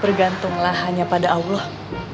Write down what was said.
bergantunglah hanya pada allah